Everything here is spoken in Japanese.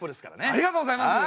ありがとうございます。